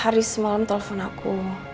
hari semalam telfon aku